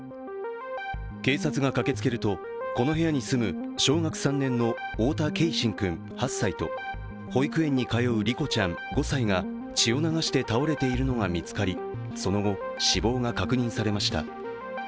警察が駆けつけると、この部屋に住む小学３年の太田継真君８歳と保育園に通う梨心ちゃん５歳が血を流して倒れているのが見つかり、その後、死亡が確認されました。